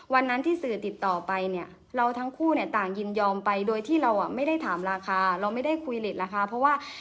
วันนั้นที่สื่อติดต่อไปเนี่ยเราทั้งคู่เนี่ยต่างยินยอมไปโดยที่เราไม่ได้ถามราคาเราไม่ได้คุยเล็ตราคาเพราะว่า